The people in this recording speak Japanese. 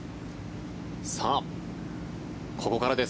さあ、ここからです。